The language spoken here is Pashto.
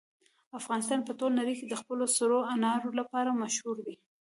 افغانستان په ټوله نړۍ کې د خپلو سرو انارو لپاره مشهور دی.